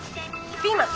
ピーマン。